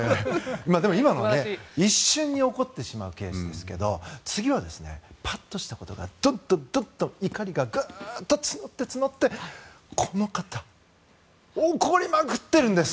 今のは一瞬に怒ってしまうケースですが次はパッとしたことがどんどん怒りが募って募ってこの方怒りまくっているんです。